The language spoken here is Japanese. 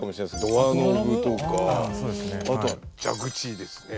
ドアノブとかあとは蛇口ですね。